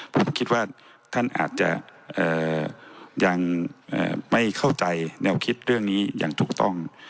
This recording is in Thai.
ผมคิดว่าท่านอาจจะยังไม่เข้าใจแนวคิดเรื่องนี้อย่างถูกต้อง